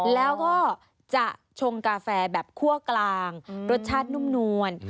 แล้วก็จะชงกาแฟแบบคั่วกลางรสชาตินุ่มนวล